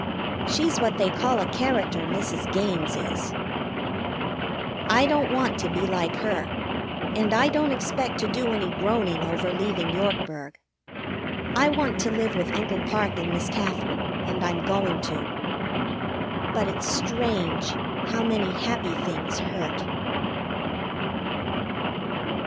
She's what they call a character, Mrs. Gaines is. I don't want to be like her, and I don't expect to do any groaning over leaving Yorkburg. I want to live with Uncle Parke and Miss Katherine, and I'm going to. But it's strange how many happy things hurt.